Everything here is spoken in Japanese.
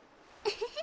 フフ